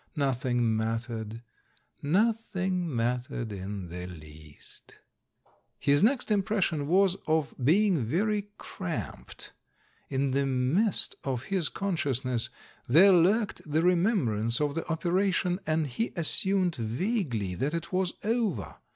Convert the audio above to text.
Noth ing mattered. Nothing mattered in the least. His next impression was of being very cramped. In the mist of his consciousness there lurked the remembrance of the operation, and he assumed vaguely that it was over.